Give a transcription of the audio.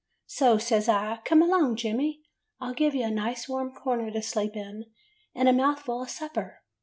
So says I, 'Come along. Jemmy. I 'll give you a nice warm corner to sleep in, and a mouthful of supper.